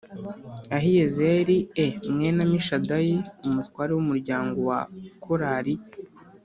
Ahiyezeri e mwene Amishadayi umutware w umuryango wa korari